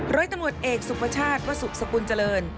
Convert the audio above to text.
ร้อยตำรวจเอกสุภาชาติวสุขสกุลเจริญ